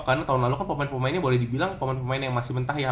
karena tahun lalu kan pemain pemain nya boleh dibilang pemain yang masih mentah ya